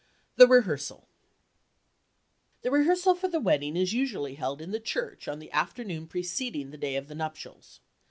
THE REHEARSAL The rehearsal for the wedding is usually held in the church on the afternoon preceding the day of the nuptials.